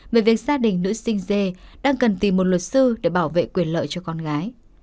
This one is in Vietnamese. về việc gia đình nữ sinh dê đang cần tìm một luật sư để bảo vệ quyền lợi cho con gái